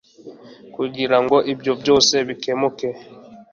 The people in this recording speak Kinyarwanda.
kugirango ibyo byose bikemuke